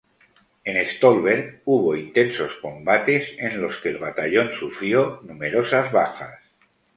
En Stolberg, hubo intensos combates en los que el batallón sufrió numerosas bajas.